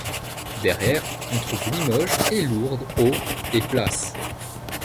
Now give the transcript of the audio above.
Derrière, on trouve Limoges et Lourdes aux et place.